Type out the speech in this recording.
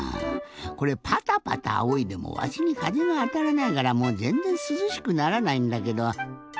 これパタパタあおいでもわしにかぜがあたらないからもうぜんぜんすずしくならないんだけど。